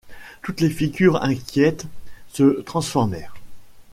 Toutes les figures inquiètes se transformèrent.